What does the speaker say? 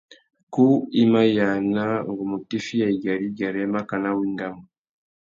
Kú i ma yāna ngu mù tifiya igüêrê-igüêrê makana wa engamú.